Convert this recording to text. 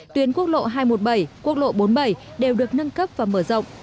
tuyến quốc lộ hai trăm một mươi bảy quốc lộ bốn mươi bảy đều được nâng cấp và mở rộng